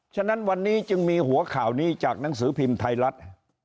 ฉะนั้นวันนี้จึงมีหัวข่าวนี้จากหนังสือพิมพ์ไทยรัฐ